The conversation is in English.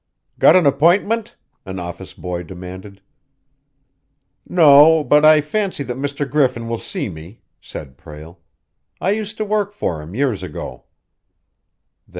"Got an appointment?" an office boy demanded. "No, but I fancy that Mr. Griffin will see me," said Prale. "I used to work for him years ago."